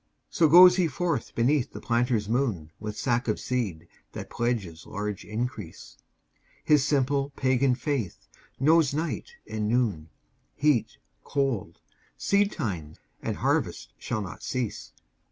So goes he forth beneath the planter's moon With sack of seed that pledges large increase, His simple pagan faith knows night and noon, Heat, cold, seedtime and harvest shall not cease.